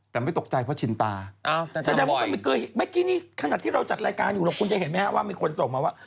แต่ไม่ตกใจเพราะชินตา